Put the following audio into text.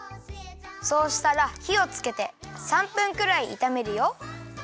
そうしたらひをつけて３分くらいいためるよ。